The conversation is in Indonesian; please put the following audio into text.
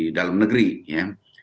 ada juga faktor yang terkoreksi negatif